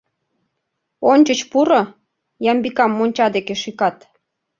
Ончыч пуро, — Ямбикам монча деке шӱкат.